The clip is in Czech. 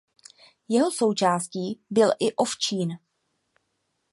Jeho součástí byl i ovčín.